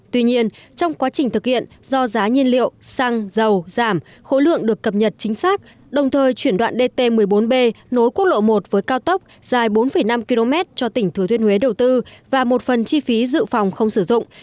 tuy nhiên trong quá trình thực hiện do giá nhiên liệu xăng dầu giảm khối lượng được cập nhật chính xác đồng thời chuyển đoạn dt một mươi bốn b nối quốc lộ một với cao tốc dài bốn năm km cho tỉnh thừa thiên huế đầu tư và một phần chi phí dự phòng không sử dụng